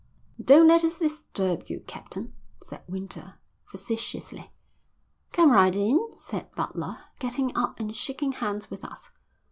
"Don't let us disturb you, Captain," said Winter, facetiously. "Come right in," said Butler, getting up and shaking hands with us.